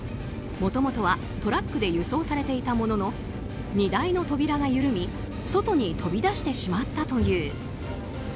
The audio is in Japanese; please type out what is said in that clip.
もともとはトラックで輸送されていたものの荷台の扉が緩み外に飛び出してしまったという。